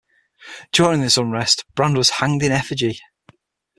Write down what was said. During this unrest, Brand was hanged in effigy.